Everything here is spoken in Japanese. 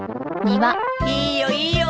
いいよいいよ！